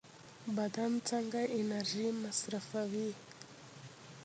بدن څنګه انرژي مصرفوي؟